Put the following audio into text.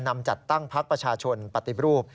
จัดตั้งพักประชาชนปฏิรูป